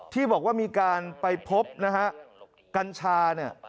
ที่บอกว่ามีการไปพบกัญชา